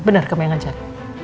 benar kamu yang ngajak